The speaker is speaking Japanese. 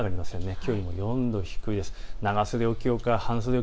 きょうより４度低いです。